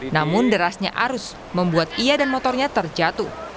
namun derasnya arus membuat ia dan motornya terjatuh